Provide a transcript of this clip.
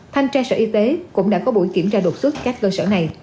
thanh tra sở y tế cũng đã có buổi kiểm tra độc suất các cơ sở này